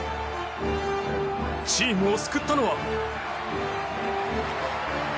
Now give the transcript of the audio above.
チームを救ったのは。